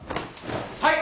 はい。